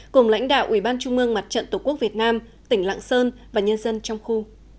cùng lãnh đạo ủy ban trung mương mặt trận tổ quốc việt nam tỉnh lạng sơn và nhân dân trong khu